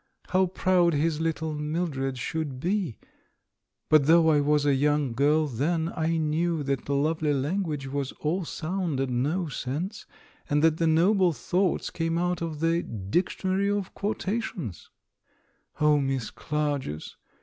How proud his little Mil dred should be !' But, though I was a young girl then, I knew that the lovely language was all sound and no sense, and that the noble thoughts came out of the Dictionary of Quotation. O Miss Clarges